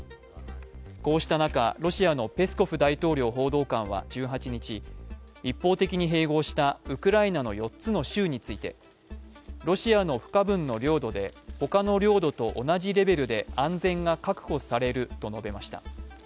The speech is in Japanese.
こうした中、ロシアのペスコフ大統領報道官は１８日、一方的に併合したウクライナの４つの州についてロシアの不可分の領土でほかの領土と同じレベルで安全が確保されると述べました。